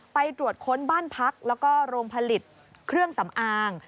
ไปตรวจค้นบ้านพักแล้วก็โรงผลิตเครื่องสำอาง